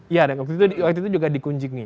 iya waktu itu juga dikunjungi